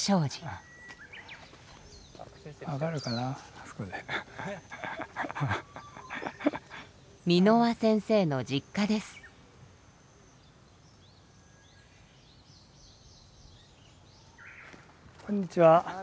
ああこんにちは。